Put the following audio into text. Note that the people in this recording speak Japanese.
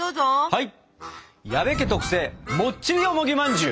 はい。